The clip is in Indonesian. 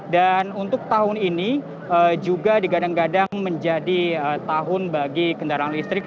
dan untuk tahun ini juga digadang gadang menjadi tahun bagi kendaraan listrik